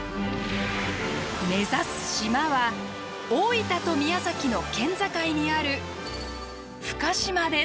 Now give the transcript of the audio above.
目指す島は大分と宮崎の県境にある深島です。